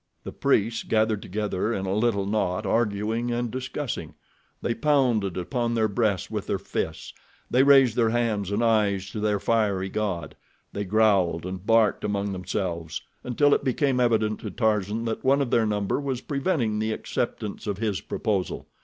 The priests gathered together in a little knot arguing and discussing. They pounded upon their breasts with their fists; they raised their hands and eyes to their fiery god; they growled and barked among themselves until it became evident to Tarzan that one of their number was preventing the acceptance of his proposal.